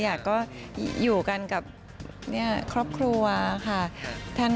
อยากก็อยู่กันกับครอบครัวค่ะ